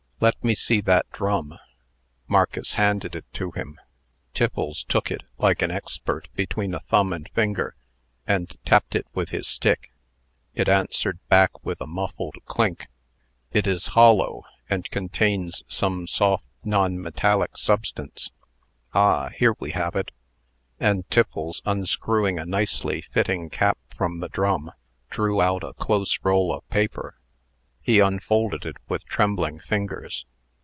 "Let me see that drum." Marcus handed it to him. Tiffles took it, like an expert, between a thumb and finger, and tapped it with his stick. It answered back with a muffled clink. "It is hollow, and contains some soft non metallic substance. Ah! here we have it." And Tiffles, unscrewing a nicely fitting cap from the drum, drew out a close roll of paper. He unfolded it with trembling fingers.